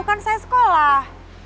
kan saya sekolah